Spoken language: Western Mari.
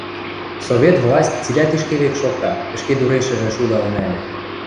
Совет власть цилӓ тишкевек шокта, – ӹшкедурешӹжӹ шудал нӓльӹ.